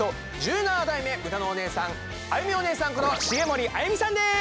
１７代目うたのおねえさんあゆみおねえさんこと茂森あゆみさんです！